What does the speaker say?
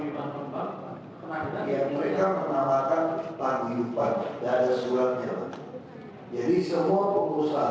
itu di perjalanan itu angka bawah empat